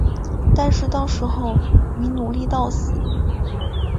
但是到时候你努力到死